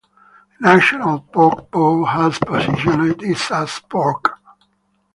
The National Pork Board has positioned it as Pork.